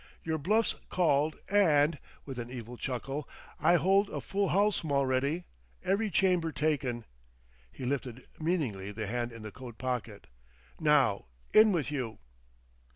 Your bluff's called, and" with an evil chuckle "I hold a full house, Mulready, every chamber taken." He lifted meaningly the hand in the coat pocket. "Now, in with you."